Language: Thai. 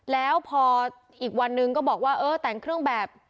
แล้วพออีกวันหนึ่งก็บอกว่าเออแต่งเครื่องแบบ